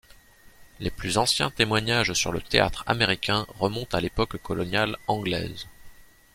Les plus anciens témoignages sur le théâtre américain remontent à l'époque coloniale anglaise.